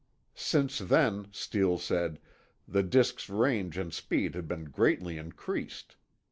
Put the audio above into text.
Since then, Steele said, the disks' range and speed had been greatly increased.